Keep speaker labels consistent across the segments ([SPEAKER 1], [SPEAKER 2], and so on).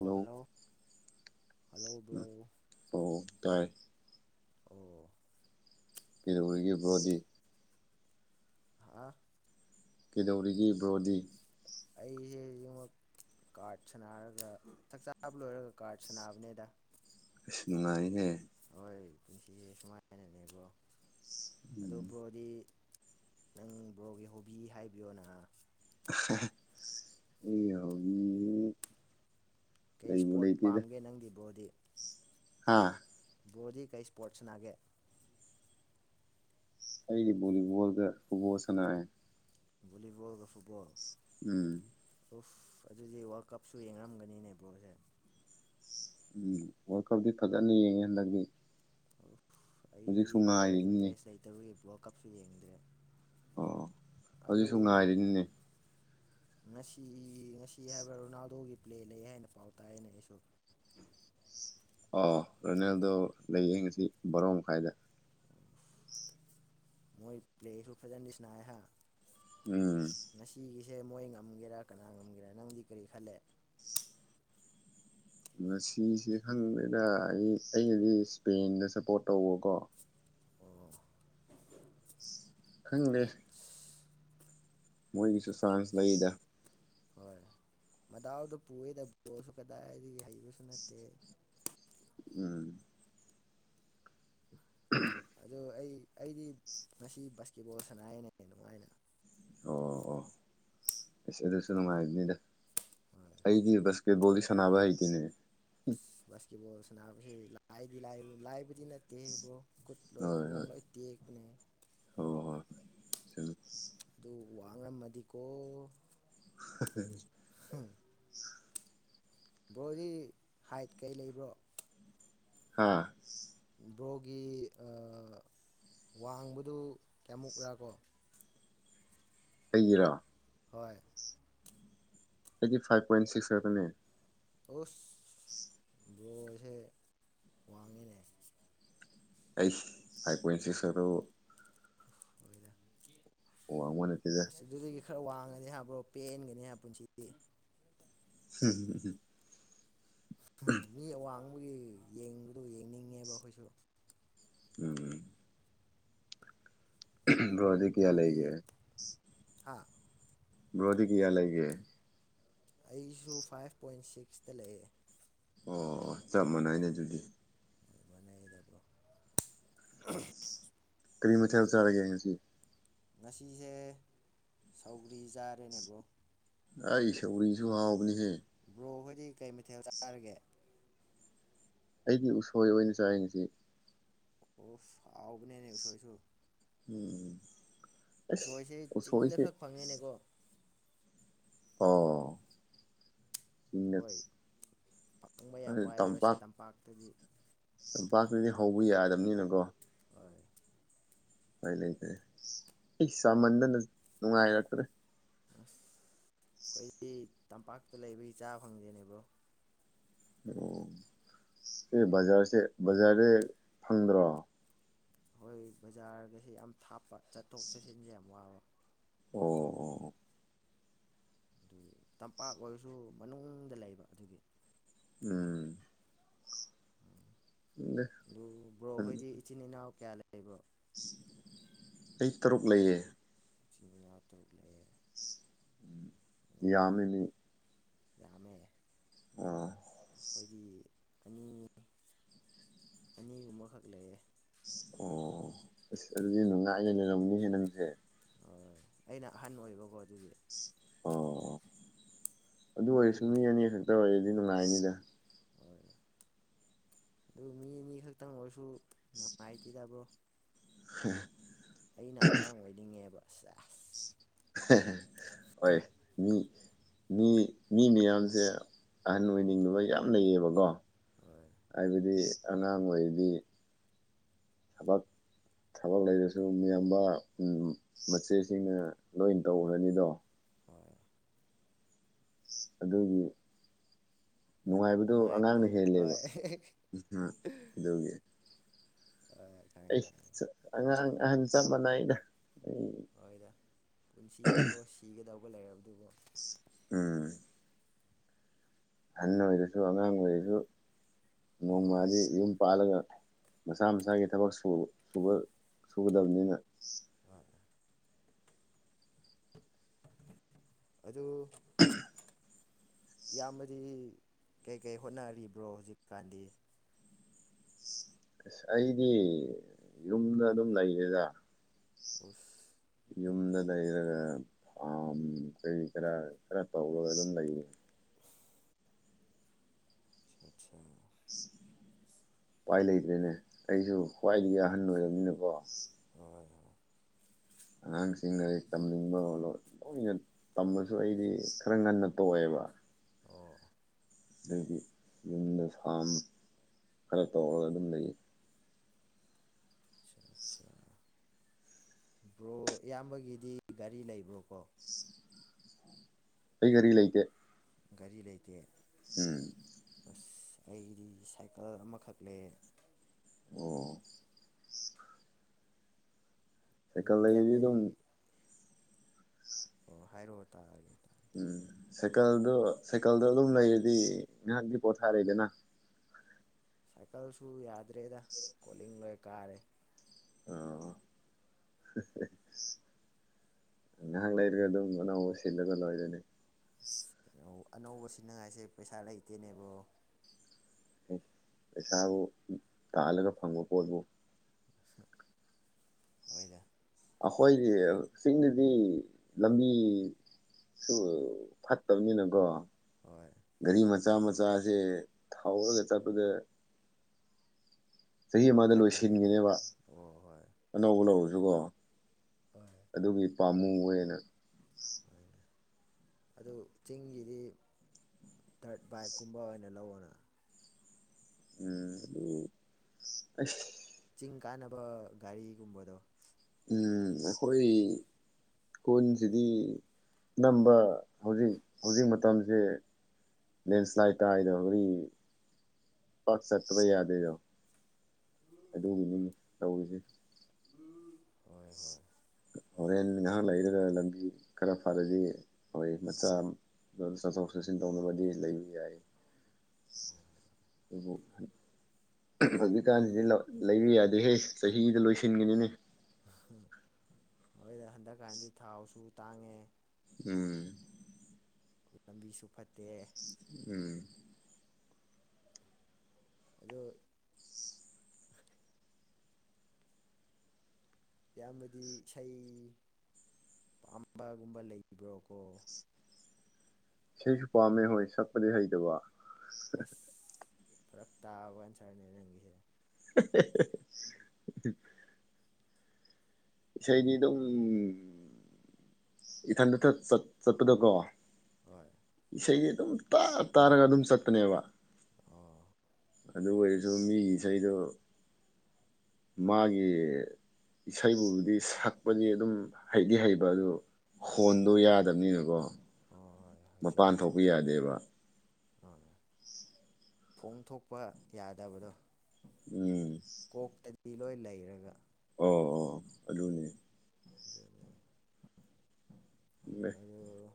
[SPEAKER 1] ꯑꯣ hello hello bro
[SPEAKER 2] ꯑꯣ ꯇꯥꯏ
[SPEAKER 1] ꯑꯣ
[SPEAKER 2] ꯀꯩꯗꯧꯔꯤꯒꯦ ꯕ ꯭ꯔꯣꯗꯤ
[SPEAKER 1] ꯍꯥꯥ
[SPEAKER 2] ꯀꯩꯗꯧꯔꯤꯒꯦ ꯕ꯭ꯔꯣꯗꯤ
[SPEAKER 1] ꯑꯩꯖꯦ ꯍꯧꯖꯤꯛꯃꯛ ꯀꯥꯔꯠ ꯁꯥꯅꯔꯒ ꯆꯥꯛ ꯆꯥꯕ ꯂꯣꯏꯔꯒ ꯀꯥꯔꯠ ꯁꯅꯥꯕꯅꯦꯗ
[SPEAKER 2] ꯑꯁ ꯅꯨꯡꯉꯥꯏꯍꯦ
[SPEAKER 1] ꯍꯣꯏ ꯄꯨꯟꯁꯤꯁꯦ ꯁꯨꯃꯥꯏꯅꯅꯦꯕ꯭ꯔꯣ ꯑꯗꯨ
[SPEAKER 2] ꯎꯝ
[SPEAKER 1] ꯕ꯭ꯔꯣꯗꯤ ꯅꯪ ꯕ꯭ꯔꯣꯒꯤ ꯍꯣꯕꯤ ꯍꯥꯏꯕꯤꯌꯣ ꯍꯥ
[SPEAKER 2] [unintelligible]
[SPEAKER 1] ꯀꯩ
[SPEAKER 2] ꯂꯩꯕꯨ
[SPEAKER 1] ꯏꯁꯄꯣꯔꯠ
[SPEAKER 2] ꯂꯩꯇꯦꯗ
[SPEAKER 1] ꯄꯥꯝꯒꯦ ꯅꯪꯗꯤ ꯕꯔꯣꯗꯤ
[SPEAKER 2] ꯍꯥ
[SPEAKER 1] ꯕꯔꯣꯗꯤ ꯀꯩ ꯏꯁꯄꯣꯔꯠꯁ ꯁꯅꯥꯒꯦ
[SPEAKER 2] ꯑꯩꯗꯤ ꯕꯣꯂꯤꯕꯣꯜ ꯒ ꯐꯨꯠꯕꯣꯜ ꯁꯅꯩꯌꯦ
[SPEAKER 1] ꯚꯣꯂꯤꯕꯣꯜꯒ ꯐꯨꯠꯕꯣꯜ
[SPEAKER 2] ꯎꯝ
[SPEAKER 1] ꯎꯐ ꯑꯗꯨꯗꯤ ꯋꯥꯔꯜ ꯀꯞꯁꯨ ꯌꯦꯡꯔꯝꯒꯅꯤꯅꯦ ꯕ꯭ꯔꯣꯁꯦ
[SPEAKER 2] ꯎꯝ ꯋꯥꯜ ꯀꯞꯗꯤ ꯐꯖꯅ ꯌꯦꯡꯉꯦ ꯍꯟꯗꯛꯇꯤ ꯍꯧꯖꯤꯛꯁꯨ
[SPEAKER 1] ꯑꯩꯗꯤ ꯕꯣꯜ
[SPEAKER 2] ꯉꯥꯏꯔꯤꯅꯤꯅꯦ
[SPEAKER 1] ꯏꯟꯇꯔꯦꯁ ꯂꯩ ꯇꯕꯒꯤ ꯋꯥꯜ ꯀꯞꯁꯨ ꯌꯦꯡꯗ꯭ꯔꯦ
[SPEAKER 2] ꯑꯣ
[SPEAKER 1] ꯑꯗꯨ
[SPEAKER 2] ꯍꯧꯖꯤꯛꯁꯨ ꯉꯥꯏꯔꯤꯅꯤꯅꯦ
[SPEAKER 1] ꯉꯁꯤ ꯉꯁꯤ ꯍꯥꯏꯕ ꯔꯣꯅꯥꯜꯗꯣꯒꯤ ꯄ꯭ꯂꯦ ꯂꯩ ꯍꯥꯏꯅ ꯄꯥꯎ ꯇꯥꯌꯦꯅꯦ ꯑꯩꯁꯨ
[SPEAKER 2] ꯑꯣ ꯔꯣꯅꯦꯜꯗꯣ ꯂꯩꯌꯦ ꯉꯁꯤ ꯕꯣꯔꯣ ꯃꯈꯥꯏꯗ
[SPEAKER 1] ꯃꯣꯏ ꯄ꯭ꯂꯦꯁꯨ ꯐꯖꯅ ꯁꯅ ꯍꯥꯏ
[SPEAKER 2] ꯎꯝ
[SPEAKER 1] ꯉꯁꯤꯒꯤꯁꯦ ꯃꯣꯏ ꯉꯝꯒꯦꯔꯥ ꯀꯅꯥ ꯉꯝꯒꯦꯔꯥ ꯅꯪꯗꯤ ꯀꯔꯤ ꯈꯜꯂꯦ
[SPEAKER 2] ꯉꯁꯤꯁꯦ ꯈꯪꯗꯦꯗ ꯑꯩꯅꯗꯤ ꯏꯁꯄꯦꯟꯗ ꯁꯞꯄꯣꯔꯠ ꯇꯧꯕꯀꯣ
[SPEAKER 1] ꯑꯣ
[SPEAKER 2] ꯈꯪꯂꯦ
[SPEAKER 1] ꯑꯠꯆꯥ
[SPEAKER 2] ꯃꯣꯏꯒꯤꯁꯨ ꯆ꯭ꯔꯥꯟꯁ
[SPEAKER 1] ꯑꯠꯆꯥ
[SPEAKER 2] ꯂꯩꯗ
[SPEAKER 1] ꯍꯣꯏ ꯃꯗꯥꯎꯗꯣ ꯄꯨꯏꯗ ꯕꯣꯁꯨ ꯀꯗꯥꯏꯗꯤ ꯍꯩꯕꯁꯨ ꯅꯠꯇꯦ
[SPEAKER 2] ꯎꯝ ꯎꯝ
[SPEAKER 1] ꯑꯗꯨ ꯑꯩ ꯑꯩꯗꯤ ꯉꯁꯤ ꯕꯥꯁꯀꯦꯠꯕꯣꯜ ꯁꯅꯥꯅꯦ ꯅꯨꯡꯉꯥꯏꯅ
[SPEAKER 2] ꯑꯣ ꯑꯣꯁ ꯑꯗꯨꯁꯨ ꯅꯨꯡꯉꯥꯏꯅꯤꯗꯦ
[SPEAKER 1] ꯍꯣꯏ
[SPEAKER 2] ꯑꯩꯒꯤ ꯕꯁꯀꯦꯠꯕꯣꯜꯗꯤ ꯁꯥꯟꯅꯕ ꯍꯩꯇꯅꯦ
[SPEAKER 1] ꯑꯁ ꯕꯥꯁꯀꯦꯠꯕꯣꯜ ꯁꯥꯟꯅꯕꯁ ꯂꯥꯏꯗꯤ ꯂ ꯂꯥꯏꯕꯨꯗꯤ ꯅꯠꯇꯦꯕ꯭ꯔꯣ ꯈꯨꯠꯂꯣꯏ
[SPEAKER 2] ꯍꯣꯏ
[SPEAKER 1] ꯀꯣꯡ ꯂꯣꯏ ꯇꯦꯛꯄꯅꯦ
[SPEAKER 2] ꯍꯣꯏ ꯍꯣꯏ ꯍꯣꯏ ꯊ
[SPEAKER 1] ꯑꯗꯨ ꯋꯥꯉꯝꯃꯗꯤꯀꯣ
[SPEAKER 2] [inaudible]
[SPEAKER 1] ꯍꯝ ꯕ꯭ꯔꯣꯗꯤ ꯍꯥꯏꯠ ꯀꯩ ꯂꯩꯕ꯭ꯔꯣ
[SPEAKER 2] ꯍꯥꯥ
[SPEAKER 1] ꯕ꯭ꯔꯣꯒꯤ ꯋꯥꯡꯕꯗꯨ ꯀꯌꯥꯃꯨꯛꯔꯥ ꯀꯣ
[SPEAKER 2] ꯑꯩꯒꯤꯔꯣ
[SPEAKER 1] ꯍꯣꯏ
[SPEAKER 2] ꯑꯩꯠꯇꯤ ꯐꯥꯏꯚ ꯄꯣꯏꯟ ꯁꯤꯛꯁ ꯍꯥꯏꯒꯅꯦ
[SPEAKER 1] ꯑꯣꯁ
[SPEAKER 2] [unintelligible]
[SPEAKER 1] ꯝꯕ꯭ꯔꯣꯁꯦ ꯋꯥꯡꯉꯤꯅꯦ
[SPEAKER 2] ꯑꯩꯁ ꯐꯥꯏꯕ ꯄ꯭ꯋꯣꯟ ꯁꯤꯁ ꯈꯠꯇꯕꯨ ꯋꯥꯡꯕ ꯅꯠꯇꯦꯗ
[SPEAKER 1] ꯑꯁ ꯗꯨꯗꯒꯤ ꯈꯔ ꯋꯥꯡꯉꯅꯤ ꯍꯥꯏꯕ꯭ꯔꯣ ꯄꯦꯟꯒꯅꯤ ꯍꯥꯏꯕ ꯄꯨꯟꯁꯤꯗꯤ
[SPEAKER 2] ꯍꯝ ꯍ ꯍꯝ
[SPEAKER 1] ꯃꯤ ꯑꯋꯥꯡꯕꯒꯤ ꯌꯦꯡꯕꯗ ꯌꯦꯡꯅꯤꯡꯉꯦꯕ ꯑꯩꯈꯣꯏꯁꯨ
[SPEAKER 2] ꯎꯝ
[SPEAKER 1] ꯑꯗꯨ
[SPEAKER 2] ꯀꯌꯥ
[SPEAKER 1] ꯕ꯭ꯔꯣꯗꯤ
[SPEAKER 2] ꯂꯩꯒꯦ
[SPEAKER 1] ꯍꯥ
[SPEAKER 2] ꯕ꯭ꯔꯣꯗꯤ ꯀꯌꯥ ꯂꯩꯒꯦ
[SPEAKER 1] ꯑꯩꯁꯨ ꯐꯥꯏꯚ ꯄꯣꯏꯟ ꯁꯤꯛꯁꯇ ꯂꯩꯌꯦ
[SPEAKER 2] ꯑꯣ ꯑꯣ ꯆꯞ ꯃꯥꯟꯅꯩꯅꯦ ꯑꯗꯨꯗꯤ
[SPEAKER 1] ꯃꯥꯟꯅꯩ ꯑꯗꯨꯝ
[SPEAKER 2] ꯀꯔꯤ ꯃꯊꯦꯜ ꯆꯥꯔꯒꯦ ꯉꯁꯤ
[SPEAKER 1] ꯉꯁꯤꯁꯦ ꯁꯧꯒ꯭ꯔꯤ ꯆꯥꯔꯦꯅꯦꯕꯣ
[SPEAKER 2] ꯑꯩ ꯑꯩ ꯁꯧꯔꯤꯁꯨ ꯍꯥꯎꯕꯅꯤꯍꯦ
[SPEAKER 1] ꯕ꯭ꯔꯣꯈꯣꯏꯗꯤ ꯀꯩ ꯃꯊꯦꯜ ꯆꯥꯔꯒꯦ
[SPEAKER 2] ꯑꯩꯒꯤ ꯎꯁꯣꯏ ꯑꯣꯏꯅ ꯆꯥꯏꯅꯤꯡꯁꯤ
[SPEAKER 1] ꯑꯣ ꯍꯥꯎꯕꯅꯦꯅꯦꯁꯣꯏꯁꯨ
[SPEAKER 2] ꯎꯝ ꯑꯁ
[SPEAKER 1] ꯎꯁꯣꯏꯁꯦ
[SPEAKER 2] ꯎꯁꯣꯏꯁꯦ
[SPEAKER 1] ꯆꯤꯡꯗꯈꯛ ꯐꯪꯉꯦꯅꯦꯀꯣ
[SPEAKER 2] ꯑꯣ ꯆꯤꯡꯗ
[SPEAKER 1] ꯍꯣꯏ ꯐꯪꯕ ꯌꯥꯝ ꯋꯥꯏꯑꯦꯕ ꯁꯤ ꯇꯝꯄꯥꯛꯇꯗꯤ
[SPEAKER 2] ꯇꯝꯄꯥꯛꯇꯨꯗꯤ ꯍꯧꯕ ꯌꯥꯗꯕꯅꯤꯅꯀꯣ
[SPEAKER 1] ꯍꯣꯏ
[SPEAKER 2] ꯑꯩ ꯂꯩꯇꯦ ꯑꯩ ꯆꯃꯟꯗꯅ ꯅꯨꯡꯉꯥꯏꯔꯛꯇ꯭ꯔꯦ
[SPEAKER 1] ꯑꯁ ꯑꯩꯈꯣꯏꯗꯤ ꯇꯝꯄꯥꯛꯇ ꯂꯩꯕꯒꯤ ꯆꯥꯕ ꯐꯪꯗꯦꯅꯦꯕ꯭ꯔꯣ
[SPEAKER 2] ꯑꯣ ꯁꯤ ꯕꯖꯥꯔꯁꯦ ꯕꯖꯥꯔꯗꯤ ꯐꯪꯗ꯭ꯔꯣ
[SPEAKER 1] ꯑꯩꯈꯣꯏ ꯕꯖꯥꯔꯒꯁꯦ ꯌꯥꯝ ꯊꯥꯞꯄ ꯆꯠꯊꯣꯛ ꯆꯠꯁꯤꯟꯁꯦ ꯌꯥꯝ ꯋꯥꯕ
[SPEAKER 2] ꯑꯣ ꯑꯣ ꯑꯣ
[SPEAKER 1] ꯑꯗꯨꯒꯤ ꯇꯝꯄꯥꯛ ꯑꯣꯏꯔꯁꯨ ꯃꯅꯨꯡꯗ ꯂꯩꯕ ꯑꯗꯨꯒꯤ
[SPEAKER 2] ꯎꯝ
[SPEAKER 1] ꯑꯗꯨ ꯕ꯭ꯔꯣ ꯈꯣꯏꯗꯤ ꯏꯆꯤꯟ ꯏꯅꯥꯎ ꯀꯌꯥ ꯂꯩꯕ꯭ꯔꯣ
[SPEAKER 2] ꯑꯩ ꯇꯔꯨꯛ ꯂꯩꯌꯦ
[SPEAKER 1] ꯆꯃꯤꯌꯥ ꯇꯔꯨꯛ ꯂꯩꯑꯦ
[SPEAKER 2] ꯌꯥꯃꯦꯅꯤ
[SPEAKER 1] ꯌꯥꯝꯃꯦ
[SPEAKER 2] ꯑꯥ
[SPEAKER 1] ꯑꯩꯈꯣꯏꯗꯤ ꯑꯅꯤ ꯑꯅꯤꯒꯨꯝꯕꯈꯛ ꯂꯩꯌꯦ
[SPEAKER 2] ꯑꯣ ꯑꯁ ꯑꯗꯨꯗꯤ ꯅꯨꯡꯉꯥꯏꯅ ꯂꯩꯔꯝꯅꯤꯍꯦ ꯅꯪꯁꯦ
[SPEAKER 1] ꯍꯣꯏ ꯑꯩꯅ ꯑꯍꯟ ꯑꯣꯏꯕꯀꯣ ꯑꯗꯨꯒꯤ
[SPEAKER 2] ꯑꯣ ꯑꯗꯨ
[SPEAKER 1] ꯃꯣꯏ
[SPEAKER 2] ꯑꯣꯏꯔꯁꯨ ꯃꯤ ꯑꯅꯤ ꯈꯛꯇ ꯑꯣꯏꯔꯗꯤ ꯅꯨꯡꯉꯥꯏꯅꯤꯗ
[SPEAKER 1] ꯍꯣꯏ ꯑꯗꯨ ꯃꯤ ꯑꯅꯤ ꯈꯛꯇꯪ ꯑꯣꯏꯔꯁꯨ ꯅꯨꯡꯉꯥꯏꯇꯦꯗꯕ꯭ꯔꯣ
[SPEAKER 2] ꯍ
[SPEAKER 1] ꯑꯩꯅ ꯑꯉꯥꯡ ꯑꯣꯏꯅꯤꯡꯉꯦꯕ ꯁꯦꯁ
[SPEAKER 2] ꯍꯣꯏ ꯃꯤ ꯃꯤ ꯃꯤ ꯃꯌꯥꯝꯁꯦ ꯑꯍꯟ ꯑꯣꯏꯅꯤꯡꯕ ꯃꯌꯥꯝ ꯂꯩꯌꯦꯕꯀꯣ
[SPEAKER 1] ꯍꯣꯏ
[SPEAKER 2] ꯍꯥꯏꯕꯗꯤ ꯑꯉꯥꯡ ꯑꯣꯏꯔꯗꯤ ꯊꯕꯛ ꯊꯕꯛ ꯂꯩꯔꯁꯨ ꯃꯤꯌꯥꯝꯕ ꯃꯆꯦꯁꯤꯡꯅ ꯂꯣꯏ ꯇꯧꯔꯅꯤꯗꯣ
[SPEAKER 1] ꯍꯣꯏ
[SPEAKER 2] ꯑꯗꯨꯒꯤ ꯅꯨꯡꯉꯥꯏꯕꯗꯣ ꯑꯉꯥꯡꯅ ꯍꯦꯜꯂꯦꯕ ꯍꯣꯏ ꯑꯗꯨꯒꯤ
[SPEAKER 1] ꯑꯥꯏ
[SPEAKER 2] ꯑꯩ ꯑꯉꯥꯡ ꯑꯍꯟ ꯆꯞ ꯃꯥꯟꯅꯩꯗ ꯑꯩ
[SPEAKER 1] ꯍꯣꯏꯗ ꯄꯨꯟꯁꯤꯅꯦꯕꯣ ꯁꯤꯒꯗꯧꯕ ꯂꯩꯔꯕꯗꯨꯕꯣ
[SPEAKER 2] ꯎꯝ ꯑꯍꯟ ꯑꯣꯏꯔꯁꯨ ꯑꯉꯥꯡ ꯑꯣꯏꯔꯁꯨ
[SPEAKER 1] ꯍꯣꯏ
[SPEAKER 2] ꯅꯣꯡꯃꯗꯤ ꯌꯨꯝ ꯄꯥꯜꯂꯒ ꯃꯁꯥ ꯃꯁꯥꯒꯤ ꯊꯕꯛ ꯁ ꯁꯨꯕ ꯁꯨꯒꯗꯕꯅꯤꯅ
[SPEAKER 1] ꯍꯣꯏ ꯑꯗꯨ ꯏꯌꯥꯝꯕꯗꯤ ꯀꯩꯀꯩ ꯍꯣꯠꯅꯔꯤꯕ꯭ꯔꯣ ꯍꯧꯖꯤꯛꯀꯥꯟꯗꯤ
[SPEAKER 2] ꯑꯁ ꯑꯩꯗꯤ ꯌꯨꯝꯗ ꯑꯗꯨꯝ ꯂꯩꯔꯦꯗ
[SPEAKER 1] ꯑꯣꯁ
[SPEAKER 2] ꯌꯨꯝꯗ ꯂꯩꯔꯒ ꯐꯥꯝ ꯀꯔꯤ ꯀꯔ ꯈꯔ ꯇꯧꯔꯒ ꯑꯗꯨꯝ ꯂꯩꯌꯦ
[SPEAKER 1] ꯆꯥ ꯑꯆꯥ
[SPEAKER 2] ꯎꯄꯥꯏ ꯂꯩꯇ꯭ꯔꯦꯅꯦ ꯑꯩꯁꯨ ꯈ꯭ꯋꯥꯏꯗꯒꯤ ꯑꯍꯟ ꯑꯣꯏꯔꯝꯅꯤꯅꯀꯣ
[SPEAKER 1] ꯍꯣꯏ ꯍꯣꯏ
[SPEAKER 2] ꯑꯉꯥꯡꯁꯤꯡ ꯂꯥꯔꯤꯛ ꯇꯝꯅꯤꯡꯕꯣꯂꯣ [unintelligible] ꯇꯝꯃꯁꯨ ꯑꯩꯗꯤ ꯈꯔ ꯉꯟꯅ ꯇꯣꯛꯑꯦꯕ
[SPEAKER 1] ꯑꯣ
[SPEAKER 2] ꯑꯗꯨꯗꯤ ꯌꯨꯝꯗ ꯐꯥꯝ ꯈꯔ ꯇꯧꯔꯒ ꯑꯗꯨꯝ ꯂꯩꯌꯦ
[SPEAKER 1] ꯑꯆꯥ ꯑꯆꯥ ꯕ꯭ꯔꯣ ꯏꯌꯥꯝꯕꯒꯤꯗꯤ ꯒꯥꯔꯤ ꯂꯩꯕ꯭ꯔꯣꯀꯣ
[SPEAKER 2] ꯑꯩ ꯒꯔꯤ ꯂꯩꯇꯦ
[SPEAKER 1] ꯒꯥꯔꯤ ꯂꯩꯇꯦ
[SPEAKER 2] ꯎꯝ
[SPEAKER 1] ꯑꯁ ꯑꯩꯗꯤ ꯁꯥꯏꯀꯜ ꯑꯃꯈꯛ ꯂꯩ
[SPEAKER 2] ꯑꯣ
[SPEAKER 1] ꯑꯗꯨ
[SPEAKER 2] ꯁꯥꯏꯀꯜ ꯂꯩꯗꯤ ꯑꯗꯨꯝ
[SPEAKER 1] ꯏꯌꯥꯝꯕꯗꯤ ꯑꯣ ꯍꯥꯏꯔꯛꯑꯣ ꯇꯥꯔꯒꯗꯤ
[SPEAKER 2] ꯎꯝ ꯁꯥꯏꯀꯜꯗꯣ ꯁꯥꯏꯀꯜꯗꯣ ꯑꯗꯨꯝ ꯂꯩꯔꯗꯤ ꯉꯥꯏꯍꯥꯛꯀꯤ ꯄꯣꯊꯥꯔꯦꯗꯅ
[SPEAKER 1] ꯁꯥꯏꯀꯜꯁꯨ ꯌꯥꯗ꯭ꯔꯦꯗ ꯀꯣꯂꯤꯡ ꯂꯣꯏ ꯀꯥꯔꯦ
[SPEAKER 2] ꯑ ꯅꯍꯥꯛ ꯂꯩꯔꯒ ꯑꯗꯨꯝ ꯑꯅꯧꯕ ꯁꯤꯜꯂꯒ ꯂꯣꯏꯔꯣꯏꯅꯤ
[SPEAKER 1] ꯑꯁ ꯀꯩꯅ ꯑꯅꯧꯕ ꯁꯤꯅꯤꯡꯉꯥꯏꯁꯦ ꯄꯩꯁꯥ ꯂꯩꯇꯦꯅꯦꯕꯣ
[SPEAKER 2] ꯄꯩꯁꯥꯕꯨ ꯇꯥꯜꯂꯒ ꯐꯪꯕ ꯄꯣꯠꯕꯨ
[SPEAKER 1] ꯑꯣꯏꯗ
[SPEAKER 2] ꯑꯩꯈꯣꯏꯒꯤ ꯆꯤꯡꯗꯗꯤ ꯂꯝꯕꯤ ꯁꯨ ꯐꯠꯇꯕꯅꯤꯅꯀꯣ
[SPEAKER 1] ꯍꯣꯏ
[SPEAKER 2] ꯒꯥꯔꯤ ꯃꯆꯥ ꯃꯆꯥꯁꯦ ꯊꯥꯎꯔꯒ ꯆꯠꯄꯗ ꯆꯍꯤ
[SPEAKER 1] ꯌꯥꯝ
[SPEAKER 2] ꯑꯃꯗ
[SPEAKER 1] ꯀꯥꯟꯅꯩꯌꯦꯕ
[SPEAKER 2] ꯂꯣꯏꯁꯤꯟꯒꯅꯦꯕ
[SPEAKER 1] ꯑꯣ ꯍꯣꯏ
[SPEAKER 2] ꯑꯅꯧꯕ ꯂꯧꯔꯁꯨꯀꯣ
[SPEAKER 1] ꯍꯣꯏ
[SPEAKER 2] ꯑꯗꯨꯒꯤ ꯄꯥꯝꯃꯨꯅ
[SPEAKER 1] ꯍꯣꯏꯅꯦ
[SPEAKER 2] [unintelligible]
[SPEAKER 1] ꯑꯗꯨ ꯆꯤꯡꯒꯤꯗꯤ ꯊꯔꯠ ꯕꯥꯏꯛꯀꯨꯝꯕ ꯑꯣꯏꯅ ꯂꯧꯑꯣꯅ
[SPEAKER 2] ꯎꯝ ꯑꯗꯨ
[SPEAKER 1] ꯆꯤꯡ ꯀꯥꯟꯅꯕ ꯒꯥꯔꯤꯒꯨꯝꯕꯗꯣ
[SPEAKER 2] ꯎꯝ ꯍꯣꯏ ꯀꯨꯣꯟꯁꯤꯗꯤ ꯅꯝꯕ ꯍꯧꯖꯤꯛ ꯍꯧꯖꯤꯛ ꯃꯇꯝꯁꯦ ꯂꯦꯟꯁ꯭ꯂꯥꯏꯠ ꯇꯗ ꯍꯧꯔꯤ ꯄꯛ ꯁꯠꯇꯄ ꯌꯥꯗꯗꯣ ꯑꯗꯨꯒꯤꯅꯤꯅꯤ ꯇꯧꯔꯤꯁꯦ
[SPEAKER 1] ꯎꯝ ꯍꯣꯏ ꯍꯣꯏ
[SPEAKER 2] ꯍꯣꯔꯦꯟ ꯉꯥꯏꯍꯥꯛ ꯂꯩꯔꯒ ꯂꯝꯕꯤ ꯈꯔ ꯐꯔꯗꯤ ꯑꯣꯏ ꯃꯆꯥ ꯑꯃ ꯗꯨ ꯆꯠꯊꯣꯛ ꯆꯠꯁꯤꯟ ꯇꯧꯅꯕꯗꯤ ꯂꯩꯕ ꯌꯥꯏ
[SPEAKER 1] ꯑꯗꯨ
[SPEAKER 2] ꯍꯧꯖꯤꯛꯀꯥꯟꯁꯤꯗꯤ ꯂꯩꯔꯤ ꯌꯥꯗꯦꯍꯦ ꯆꯍꯤꯗ ꯂꯣꯏꯁꯤꯟꯒꯅꯤꯅꯦ
[SPEAKER 1] ꯍꯣꯢꯗ ꯍꯟꯗꯛꯀꯥꯟꯗꯤ ꯊꯥꯎꯁꯨ ꯇꯥꯡꯉꯦ꯫
[SPEAKER 2] ꯎꯝ
[SPEAKER 1] ꯂꯝꯕꯤꯁꯨ ꯐꯠꯇꯦ
[SPEAKER 2] ꯎꯝ
[SPEAKER 1] ꯑꯗꯣ ꯌꯥꯝꯕꯗꯤ ꯏꯁꯩ ꯄꯥꯝꯕꯒꯨꯝꯕ ꯂꯩꯕ꯭ꯔꯣꯀꯣ
[SPEAKER 2] ꯁꯤꯁꯨ ꯄꯥꯝꯃꯦ ꯍꯣꯏ ꯁꯛꯄꯗꯤ ꯍꯩꯇꯕ
[SPEAKER 1] ꯑꯁ ꯐꯔꯛ ꯇꯥꯕ ꯑꯟꯁꯔꯅꯦ ꯅꯪꯒꯤꯁꯦ
[SPEAKER 2] [unintelligible] ꯏꯁꯩꯥꯗꯤ ꯑꯗꯨꯝ ꯏꯊꯟꯇꯇ ꯆꯠ ꯆꯠꯄꯗꯀꯣ
[SPEAKER 1] ꯍꯣꯏ
[SPEAKER 2] ꯏꯁꯩꯗꯤ ꯑꯗꯨꯝ ꯇꯥ ꯇꯥꯔꯒ ꯑꯗꯨꯝ ꯆꯠꯄꯅꯦꯕ
[SPEAKER 1] ꯑꯥ
[SPEAKER 2] ꯑꯗꯨ ꯑꯣꯏꯔꯁꯨ ꯃꯤꯒꯤ ꯏꯁꯩꯗꯣ ꯃꯥꯒꯤ ꯏꯁꯩꯕꯨꯗꯤ ꯁꯛꯄꯗꯤ ꯑꯗꯨꯝ ꯍꯩꯗꯤ ꯍꯩꯕ ꯑꯗꯨ ꯍꯣꯟꯗꯣ ꯌꯥꯗꯕꯅꯤꯅꯀꯣ
[SPEAKER 1] ꯍꯣꯏ ꯍꯣꯏ ꯍꯣꯏ ꯆꯨꯝꯃꯦ
[SPEAKER 2] ꯃꯄꯥꯟ ꯊꯣꯛꯄ
[SPEAKER 1] ꯆꯨꯝꯃꯦ
[SPEAKER 2] ꯌꯥꯗꯦꯕ
[SPEAKER 1] ꯑ ꯐꯣꯡ ꯊꯣꯛꯄ ꯌꯥꯗꯕꯗꯣ
[SPEAKER 2] ꯎꯝ
[SPEAKER 1] ꯀꯣꯛꯇꯗꯤ ꯂꯣꯏ ꯂꯩꯔꯒ꯫
[SPEAKER 2] ꯑꯣ ꯑꯣ ꯑꯗꯨꯅꯦ꯫
[SPEAKER 1] ꯑꯗꯨꯅꯦ꯫ ꯌꯣ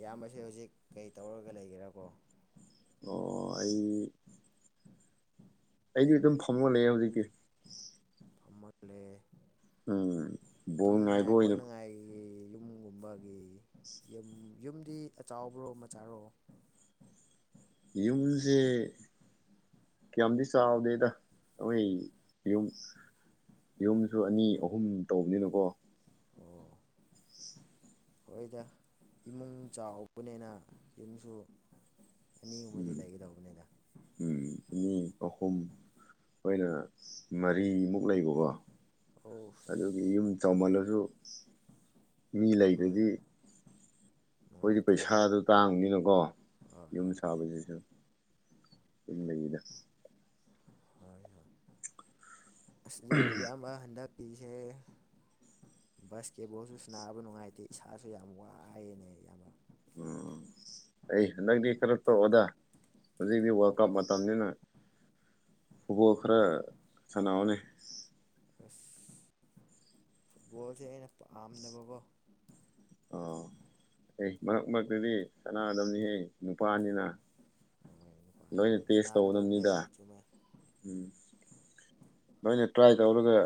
[SPEAKER 1] ꯏꯌꯥꯝꯕꯁꯦ ꯍꯧꯖꯤꯛ ꯀꯩ ꯇꯧꯔꯒ ꯂꯩꯒ꯭ꯔꯥꯕꯣ꯫
[SPEAKER 2] ꯑꯣ ꯑꯩ꯫ ꯑꯩꯖꯨ ꯑꯗꯨꯝ ꯐꯝꯉ ꯂꯩꯑꯦ ꯍꯧꯖꯤꯛꯀꯤ꯫
[SPEAKER 1] ꯐꯝꯃꯒ ꯂꯩꯌꯦ
[SPEAKER 2] ꯎꯝ ꯕꯣꯜ ꯉꯥꯏꯕ
[SPEAKER 1] ꯇꯨꯝꯅꯉꯥꯏ
[SPEAKER 2] ꯑꯣꯏꯅ
[SPEAKER 1] ꯈꯣꯠꯅꯉꯥꯏꯒꯤ ꯌꯨꯝꯒꯨꯝ ꯕꯥꯒꯤ ꯌꯨꯝ ꯌꯨꯝꯗꯤ ꯑꯆꯥꯎꯕ꯭ꯔꯣ ꯃꯆꯥꯔꯣ꯫
[SPEAKER 2] ꯌꯨꯝꯖꯦ ꯀꯌꯥꯝꯗꯤ ꯆꯥꯎꯗꯦꯗ ꯑꯍꯣꯢ ꯌꯨꯝ ꯌꯨꯝꯁꯨ ꯑꯅꯤ ꯑꯍꯨꯝ ꯇꯧꯕꯅꯤꯅꯀꯣ꯫
[SPEAKER 1] ꯑꯣ ꯍꯣꯏꯗ ꯏꯃꯨꯡ ꯆꯥꯎꯕꯅꯦꯅ ꯌꯨꯝꯁꯨ ꯑꯅꯤꯒꯨꯝꯕꯗꯤ
[SPEAKER 2] ꯎꯝ
[SPEAKER 1] ꯂꯩꯒꯗꯧꯕꯅꯦꯗ
[SPEAKER 2] ꯎꯝ ꯃꯤ ꯑꯍꯨꯝ ꯍꯣꯏꯅ ꯃꯔꯤꯃꯨꯛ ꯂꯩꯕꯀꯣ꯫
[SPEAKER 1] ꯑꯣꯁ꯫
[SPEAKER 2] ꯑꯗꯨꯒꯤ ꯌꯨꯝ ꯆꯥꯎꯃꯜꯂꯁꯨ ꯃꯤ
[SPEAKER 1] ꯍꯣꯏ
[SPEAKER 2] ꯂꯩꯕꯗꯤ꯫ ꯈꯣꯏꯗꯤ
[SPEAKER 1] ꯅꯨꯡꯉꯥꯏꯇꯦꯕ
[SPEAKER 2] ꯄꯩꯁꯥꯗꯨ ꯇꯥꯡꯕꯅꯤꯅꯀꯣ
[SPEAKER 1] ꯍꯣꯏ
[SPEAKER 2] ꯌꯨꯝ
[SPEAKER 1] ꯍꯣꯏ
[SPEAKER 2] ꯁꯥꯕꯁꯤꯁꯨ [unintelligible]
[SPEAKER 1] ꯍꯣꯏ ꯍꯣꯏ ꯑꯁ ꯑꯗꯣ ꯏꯌꯥꯝꯕ ꯍꯟꯗꯛꯀꯤꯁꯦ ꯕꯁꯀꯦꯕꯣꯜꯁꯨ ꯁꯅꯥꯕ ꯅꯨꯡꯉꯥꯏꯇꯦ ꯏꯁꯥꯁꯨ ꯌꯥꯝ ꯋꯥꯏꯌꯦꯅꯦ ꯏꯌꯥꯝꯕ꯫
[SPEAKER 2] ꯎꯝ꯫ ꯑꯩ ꯍꯟꯗꯛꯇꯤ ꯈꯔ ꯇꯧꯔꯛꯑꯣꯗ ꯍꯧꯖꯤꯛꯗꯤ ꯋꯥꯔꯜ ꯀꯞ ꯃꯇꯝꯅꯤꯅ ꯐꯨꯕꯣꯜ ꯈꯔ
[SPEAKER 1] ꯑꯥ
[SPEAKER 2] ꯁꯥꯟꯅꯎꯅꯦ꯫
[SPEAKER 1] ꯐꯨꯠꯕꯣꯜꯁꯦ ꯑꯩꯅ ꯄꯥꯝꯗꯕꯀꯣ꯫
[SPEAKER 2] ꯑꯥ ꯑꯦ ꯃꯔꯛ ꯃꯔꯛꯇꯨꯗꯤ ꯁꯅꯥꯒꯗꯕꯅꯤꯍꯦ ꯅꯨꯄꯥꯅꯤꯅ ꯅꯣꯏꯅ
[SPEAKER 1] ꯅꯨꯄꯥꯅꯦꯕ
[SPEAKER 2] ꯇꯦꯁ ꯇꯧꯒꯗꯕꯅꯤꯗ
[SPEAKER 1] ꯁꯥꯟꯅꯒꯗꯧꯕꯅꯦꯕ ꯆꯨꯝꯃꯦ
[SPEAKER 2] ꯎꯝ ꯅꯣꯏꯅ ꯇ꯭ꯔꯥꯏ ꯇꯧꯔꯒ